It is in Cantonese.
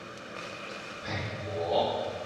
蘋果